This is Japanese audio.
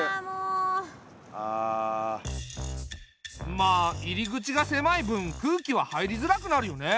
まあ入り口が狭い分空気は入りづらくなるよね。